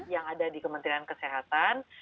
yang ada di kementerian kesehatan